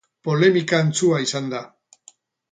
Polemika antzua izan da.